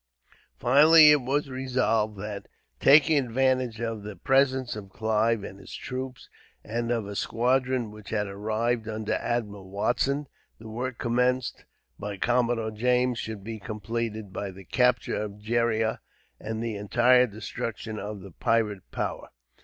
Finally it was resolved that, taking advantage of the presence of Clive and his troops, and of a squadron which had arrived under Admiral Watson, the work commenced by Commodore James should be completed, by the capture of Gheriah and the entire destruction of the pirate power.